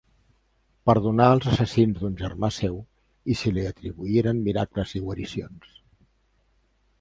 Perdonà els assassins d'un germà seu i se li atribuïren miracles i guaricions.